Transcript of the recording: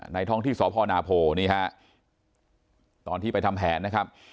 ในท่องที่สพนาโพตอนที่ไปทำแผนนะครับ